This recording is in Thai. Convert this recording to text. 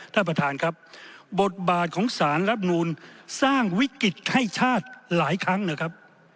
ท่านประธานครับบทบาทของสารรับนูลสร้างวิกฤตให้ชาติหลายครั้งนะครับ